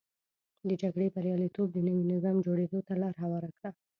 د جګړې بریالیتوب د نوي نظام جوړېدو ته لار هواره کړه.